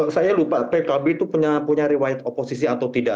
saya lupa pkb itu punya riwayat oposisi atau tidak